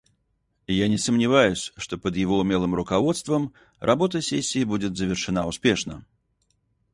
Я не сомневаюсь, что под его умелым руководством работа сессии будет завершена успешно.